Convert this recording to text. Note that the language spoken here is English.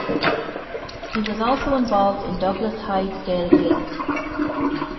He was also involved in Douglas Hyde's Gaelic League.